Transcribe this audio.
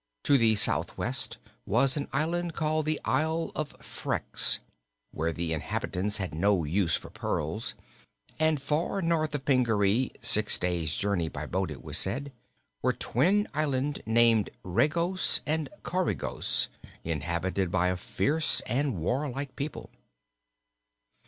To the southwest was an island called the Isle of Phreex, where the inhabitants had no use for pearls. And far north of Pingaree six days' journey by boat, it was said were twin islands named Regos and Coregos, inhabited by a fierce and warlike people.